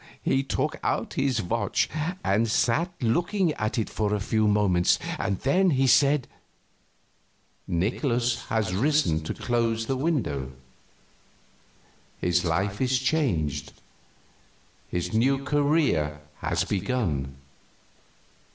He took out his watch and sat looking at it a few moments, then said: "Nikolaus has risen to close the window. His life is changed, his new career has begun.